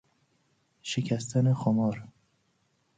شکستن خمار